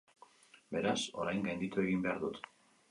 Beraz, orain gainditu egin behar dut.